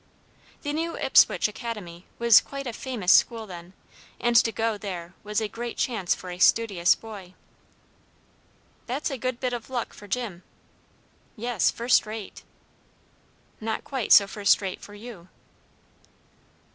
The New Ipswich Academy was quite a famous school then, and to go there was a great chance for a studious boy. "That's a bit of good luck for Jim." "Yes; first rate." "Not quite so first rate for you."